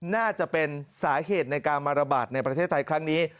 น่าจะเป็นสาเหตุในการมาระบาดในประเทศไทยครั้งนี้